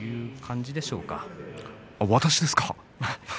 私ですか？